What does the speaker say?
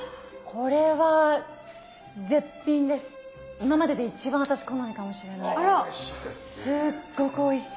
今までで一番私好みかもしれないぐらいすっごくおいしい。